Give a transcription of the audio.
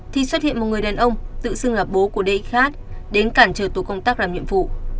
thì xuất hiện một người đàn ông tự xưng là bố của d khác đến cản trở tổ công tác làm nhiệm vụ